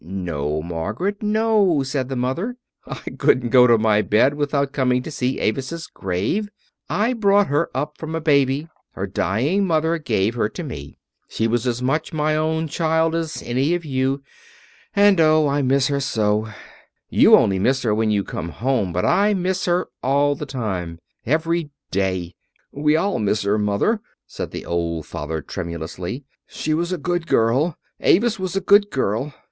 "No, Margaret, no," said the mother. "I couldn't go to my bed without coming to see Avis's grave. I brought her up from a baby her dying mother gave her to me. She was as much my own child as any of you. And oh! I miss her so. You only miss her when you come home, but I miss her all the time every day!" "We all miss her, Mother," said the old father, tremulously. "She was a good girl Avis was a good girl.